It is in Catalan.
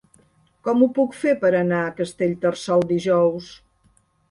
Com ho puc fer per anar a Castellterçol dijous?